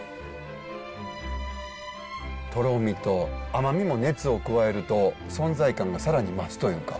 とろみと甘みも熱を加えると存在感が更に増すというか。